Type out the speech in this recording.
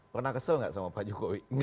pernah kesel nggak sama pak jokowi